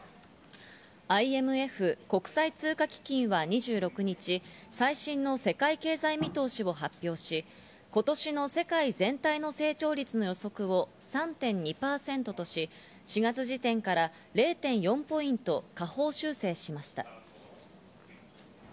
ＩＭＦ＝国際通貨基金は２６日、最新の世界経済見通しを発表し、今年の世界全体の成長率の予測を３．２％とし、４月時点から０．４ポイント下方修正しました。